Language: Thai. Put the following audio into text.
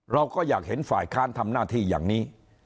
เราก็อยากเห็นฝ่ายค้านทำหน้าที่อย่างนี้